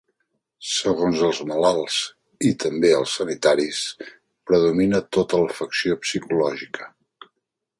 Segons els malalts, i també els sanitaris, predomina tota l’afecció psicològica.